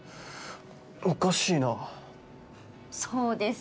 おかしいなそうです